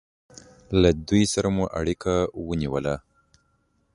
له دوی سره مو اړیکه ونیوله.